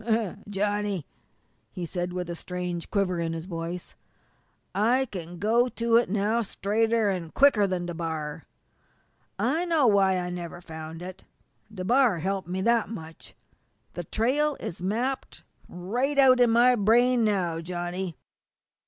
"Johnny," he said, with a strange quiver in his voice, "I can go to it now straighter an' quicker than DeBar! I know why I never found it. DeBar helped me that much. The trail is mapped right out in my brain now, Johnny.